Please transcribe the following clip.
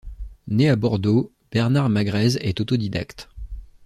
Né à Bordeaux, Bernard Magrez est autodidacte.